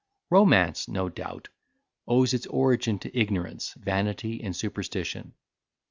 Romance, no doubt, owes its origin to ignorance, vanity, and superstition.